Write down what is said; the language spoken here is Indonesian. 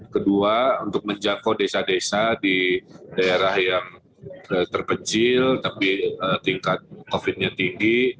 kedua untuk menjangkau desa desa di daerah yang terpencil tapi tingkat covid nya tinggi